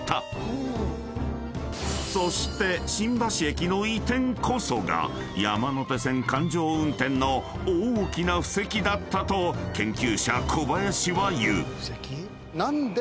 ［そして新橋駅の移転こそが山手線環状運転の大きな布石だったと研究者小林は言う］